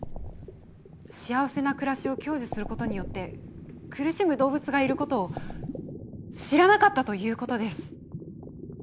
幸せな暮らしを享受することによって苦しむ動物がいることを知らなかったということです。